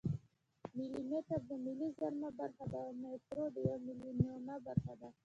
ملي متر د متر زرمه برخه ده او مایکرو د یو میلیونمه برخه ده.